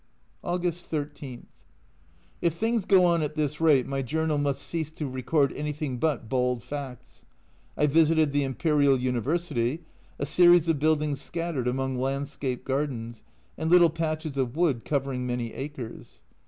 August 13. If things go on at this rate, my Journal must cease to record anything but bald facts. I visited the Imperial University, a series of buildings scattered among landscape gardens and little patches of wood, covering many acres.